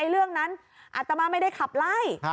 เรื่องนั้นอัตมาไม่ได้ขับไล่